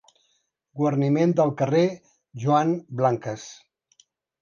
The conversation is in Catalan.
Guarniment del carrer Joan Blanques.